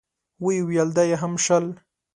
ويې ويل: دا يې هم شل.